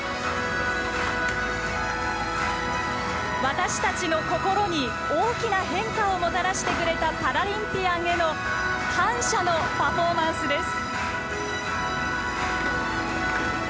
私たちの心に大きな変化をもたらしてくれたパラリンピアンへの感謝のパフォーマンスです。